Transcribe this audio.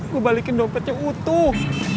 gua balikin dompetnya utuh